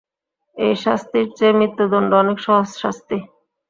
এই শাস্তির চেয়ে মৃত্যুদণ্ড অনেক সহজ শাস্তি।